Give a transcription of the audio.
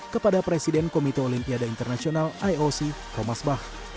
kepada presiden komite olimpiade internasional ioc thomas bach